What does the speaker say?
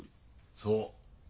そう。